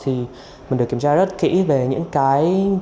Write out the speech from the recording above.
thì mình được kiểm tra rất kỹ về những cái